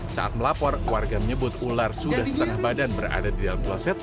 saat melapor warga menyebut ular sudah setengah badan berada di dalam kloset